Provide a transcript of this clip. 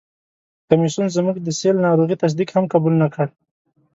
کمیسیون زموږ د سِل ناروغي تصدیق هم قبول نه کړ.